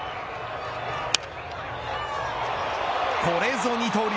これぞ二刀流。